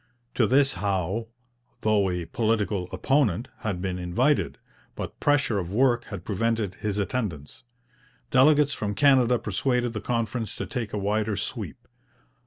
To this Howe, though a political opponent, had been invited, but pressure of work had prevented his attendance. Delegates from Canada persuaded the conference to take a wider sweep.